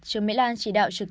trương mỹ lan chỉ đạo trực tiếp